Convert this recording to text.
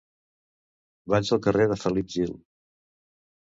Vaig al carrer de Felip Gil.